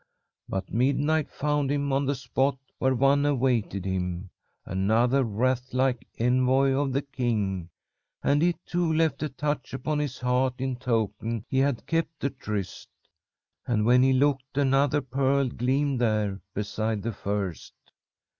But midnight found him on the spot where one awaited him, another wraith like envoy of the king, and it, too, left a touch upon his heart in token he had kept the tryst. And when he looked, another pearl gleamed there beside the first.